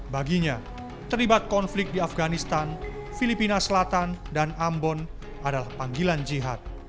baginya terlibat konflik di afganistan filipina selatan dan ambon adalah panggilan jihad